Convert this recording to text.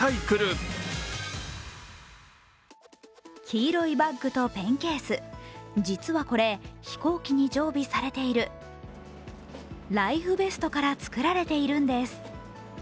黄色いバッグとペンケース、実はこれ飛行機に常備されているライフベストから作られているんです。